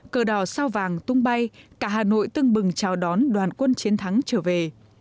cờ đỏ sao vàng tung bay cả hà nội tưng bừng chào đón đoàn quân chiến thắng trở về